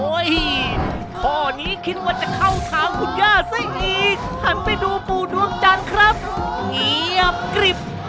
ข้อนี้คิดว่าจะเข้าทางคุณย่าซะอีกหันไปดูปู่ดวงจันทร์ครับเงียบกริบ